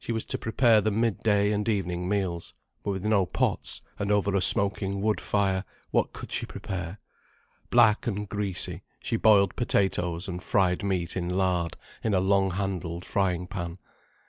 She was to prepare the mid day and evening meals. But with no pots, and over a smoking wood fire, what could she prepare? Black and greasy, she boiled potatoes and fried meat in lard, in a long handled frying pan.